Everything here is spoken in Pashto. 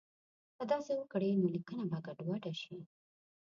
که داسې وکړي نو لیکنه به ګډوډه شي.